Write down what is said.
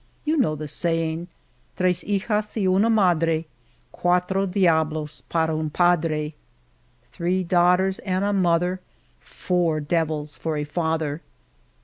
You know the saying :* Tres hijas y una madrey cuatro diablos para un padre. Three daughters and a mother, four devils for a father.'"